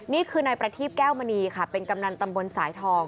นี่คือนายประทีบแก้วมณีค่ะเป็นกำนันตำบลสายทอง